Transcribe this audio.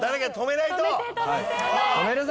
止めるぞ！